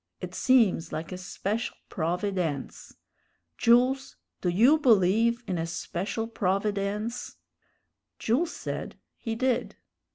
It seems like a special provi_dence_. Jools, do you believe in a special provi_dence_?" Jules said he did.